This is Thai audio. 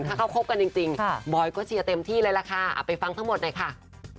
ถ้าเขาคบกันจริงบอยก็เชียร์เต็มที่เลยล่ะค่ะเอาไปฟังทั้งหมดหน่อยค่ะ